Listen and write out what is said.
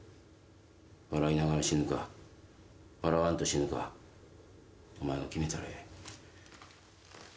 笑いながら死ぬか、笑わんと死ぬか、お前が決めたらええ。